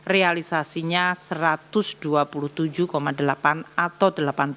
realisasinya satu ratus dua puluh tujuh delapan atau delapan puluh tujuh